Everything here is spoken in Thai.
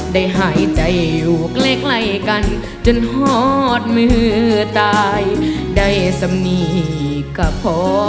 หายใจอยู่ใกล้กันจนหอดมือตายได้สำนีก็พอ